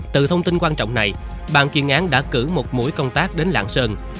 từ thông tin quan trọng này bàn chuyên án đã cử một mũi công tác đến lạng sơn